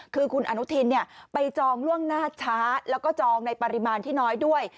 คือคุณอนุทินไปจองล่วงหน้าช้าแล้วก็จองในปริมาณที่น้อยด้วย